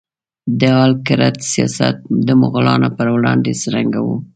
د آل کرت سیاست د مغولانو په وړاندې څرنګه و؟